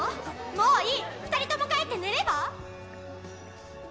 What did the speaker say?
もういい２人とも帰って寝れば？